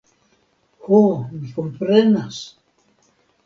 Ho, mi komprenas.